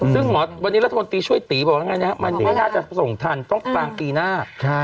ซึ่งหมอวันนี้รัฐมนตรีช่วยตีบอกว่าไงนะครับมันไม่น่าจะส่งทันต้องกลางปีหน้า